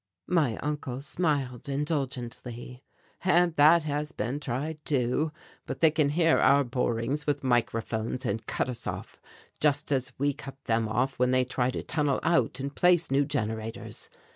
My uncle smiled indulgently. "And that has been tried too, but they can hear our borings with microphones and cut us off, just as we cut them off when they try to tunnel out and place new generators.